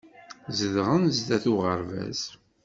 Zedɣen sdat uɣerbaz.